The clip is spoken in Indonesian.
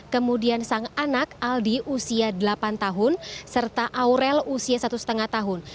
kemudian sang anak aldi usia delapan tahun serta aurel usia satu lima tahun